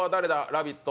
ラヴィット！